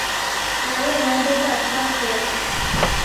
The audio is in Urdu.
نہ ہی ون ڈے کا اچھا پلئیر